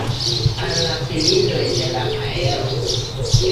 Al la filinoj de la aero!